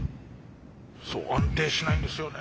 そう安定しないんですよね。